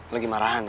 lagi marahan ya